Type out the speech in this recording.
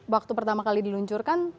waktu pertama kali diluncurkan